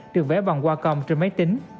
được vẽ bằng wacom trên máy tính